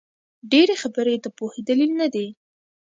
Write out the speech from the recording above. ډېري خبري د پوهي دلیل نه دئ.